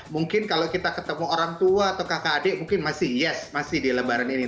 mungkin kalau kita ketemu orang tua atau kakak adik mungkin masih yes masih di lebaran ini